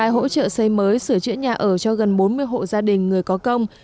hỗ trợ xây mới sửa chữa nhà ở cho gần bốn mươi hộ gia đình người có công